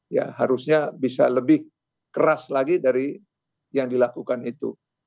ya harusnya bisa lebih keras lagi dari yang dilakukan itu